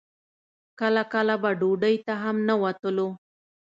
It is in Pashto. کله کله به ډوډۍ ته هم نه وتلو.